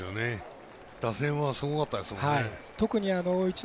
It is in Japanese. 打線はすごかったですね。